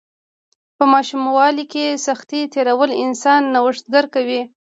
په ماشوموالي کې سختۍ تیرول انسان نوښتګر کوي.